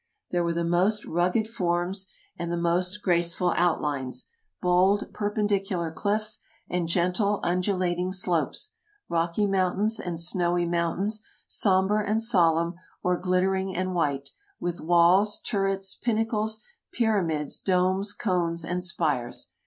There were the most rugged forms and 216 TRAVELERS AND EXPLORERS the most graceful outlines — bold, perpendicular cliffs and gentle, undulating slopes; rocky mountains and snowy mountains, somber and solemn or glittering and white, with walls, turrets, pinnacles, pyramids, domes, cones, and spires